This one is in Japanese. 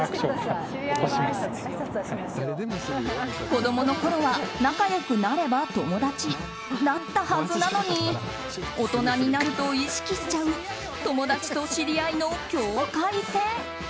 子供のころは仲良くなれば友達だったはずなのに大人になると意識しちゃう友達と知り合いの境界線。